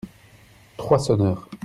Trois sonneurs.